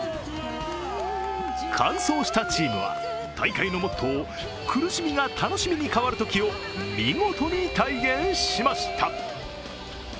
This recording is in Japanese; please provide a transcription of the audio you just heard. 完走したチームは、大会のモットー、苦しみが楽しみに変わるときを見事に体現しました。